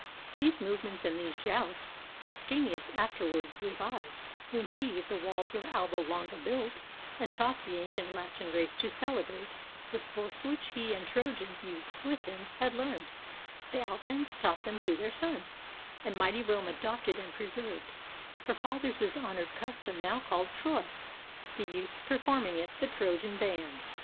These movements and these jousts Ascanius afterwards revived, when he The walls of Alba Longa built, and taught The ancient Latin race to celebrate The sports which he and Trojan youths with him Had learned; the Albans taught them to their sons; And mighty Rome adopted and preserved Her fathers' honored custom, now called "Troy"; The youths performing it, "the Trojan band."